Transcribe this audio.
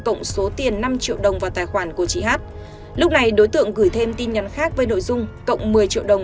cộng số tiền năm triệu đồng vào tài khoản của chị h lúc này đối tượng gửi thêm tin nhắn khác với nội dung cộng một mươi triệu đồng